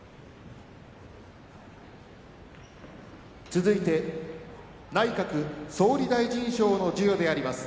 続いて内閣総理大臣賞の授与であります。